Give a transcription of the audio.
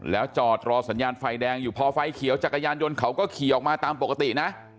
แล้วจอดรอสัญญาณไฟแดงอยู่พอไฟเขียวจักรยานยนต์เขาก็ขี่ออกมาตามปกตินะ